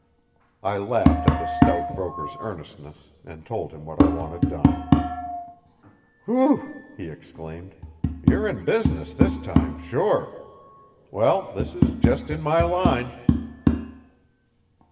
I laughed at the stout broker's earnestness, and told him what I wanted done. "Whew!" he exclaimed, "you're in business this time, sure. Well, this is just in my line."